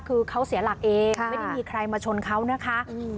คือเขาเสียหลักเองไม่ได้มีใครมาชนเขานะคะ